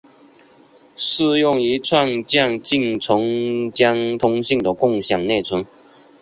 适用于创建进程间通信的共享内存。